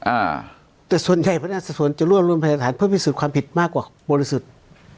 อ่าแต่ส่วนใหญ่พนักสะส่วนจะรวบรวมพยานฐานเพื่อพิสูจน์ความผิดมากกว่าบริสุทธิ์